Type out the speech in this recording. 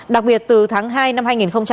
đặc biệt từ tháng hai năm hai nghìn hai mươi